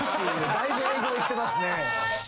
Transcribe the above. だいぶ営業いってますね。